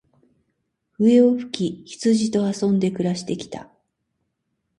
笛を吹き、羊と遊んで暮して来た。